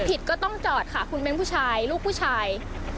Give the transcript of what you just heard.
ก็ต้องจอดค่ะคุณเป็นผู้ชายลูกผู้ชาย